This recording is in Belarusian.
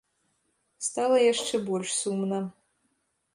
Стала яшчэ больш сумна.